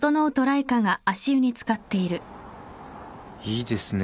いいですね。